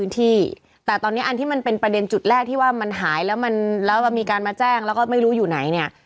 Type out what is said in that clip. แต่ตอนนี้อันที่มันเป็นประเด็นจุดแรกที่ว่ามันหายแล้วมันแล้วมีการมาแจ้งแล้วก็ไม่รู้อยู่ไหนเนี่ย